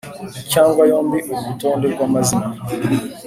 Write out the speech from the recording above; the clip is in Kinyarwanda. cyangwa yombi Uru rutonde rw amazina